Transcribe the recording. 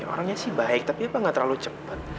orangnya sih baik tapi apa gak terlalu cepet